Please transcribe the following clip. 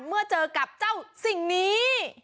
เมื่อเจอกับเจ้าสิ่งนี้